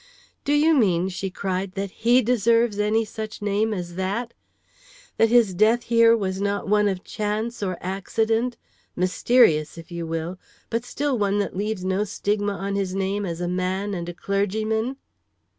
"Do you mean," she cried, "that he deserves any such name as that? That his death here was not one of chance or accident, mysterious, if you will, but still one that leaves no stigma on his name as a man and a clergyman?"